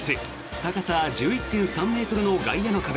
高さ１１．３ｍの外野の壁